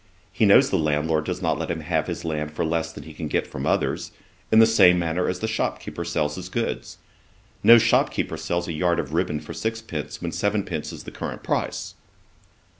He knows the landlord does not let him have his land for less than he can get from others, in the same manner as the shopkeeper sells his goods. No shopkeeper sells a yard of ribband for sixpence when seven pence is the current price.'